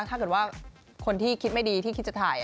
ถ้าเกิดว่าคนที่คิดไม่ดีที่คิดจะถ่าย